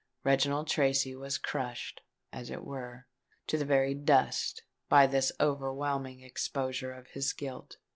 Reginald Tracy was crushed, as it were, to the very dust, by this overwhelming exposure of his guilt.